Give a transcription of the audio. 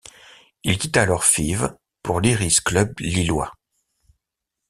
Il quitta alors Fives pour l'Iris Club Lillois.